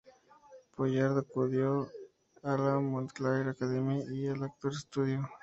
Pollard acudió a la Montclair Academy y al Actor's Studio.